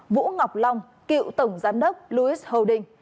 vũ ngọc long cựu tổng giám đốc louis holding